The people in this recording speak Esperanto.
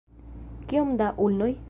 Kiom da ulnoj?